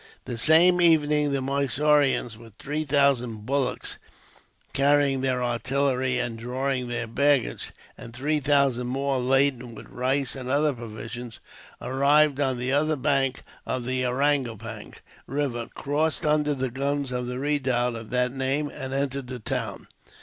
The same evening the Mysoreans, with three thousand bullocks carrying their artillery and drawing their baggage, and three thousand more laden with rice and other provisions, arrived on the other bank of the Ariangopang river, crossed under the guns of the redoubt of that name, and entered the town.